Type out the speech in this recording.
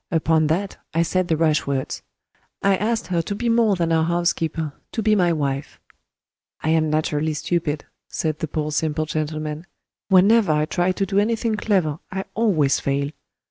Upon that, I said the rash words. I asked her to be more than our housekeeper to be my wife. I am naturally stupid," said the poor simple gentleman; "whenever I try to do anything clever I always fail.